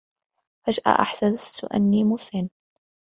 فجأة أحسست أني مسن.